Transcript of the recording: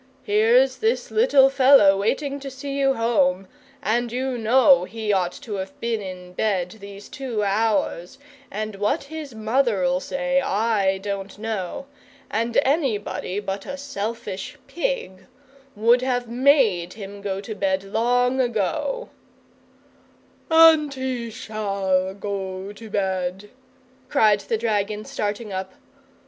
"Here's this little fellow waiting to see you home, and you KNOW he ought to have been in bed these two hours, and what his mother'll say I don't know, and anybody but a selfish pig would have MADE him go to bed long ago " "And he SHALL go to bed!" cried the dragon, starting up.